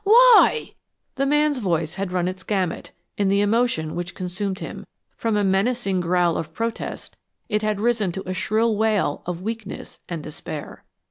Why?" The man's voice had run its gamut, in the emotion which consumed him, and from a menacing growl of protest, it had risen to a shrill wail of weakness and despair.